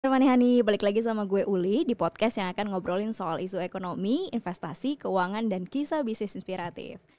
remani hani balik lagi sama gue uli di podcast yang akan ngobrolin soal isu ekonomi investasi keuangan dan kisah bisnis inspiratif